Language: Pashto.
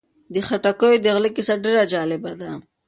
د خټکیو د غله کیسه ډېره جالبه ده.